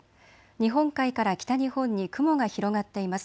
日本海から北日本に雲が広がっています。